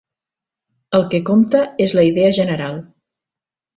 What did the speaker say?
El que compta és la idea general.